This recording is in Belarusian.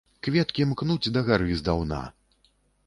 Кветкі мкнуць дагары здаўна.